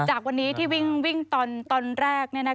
จากวันนี้ที่วิ่งตอนแรก